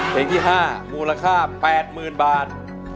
เพลงที่๕มูลค่า๘๐๐๐บาท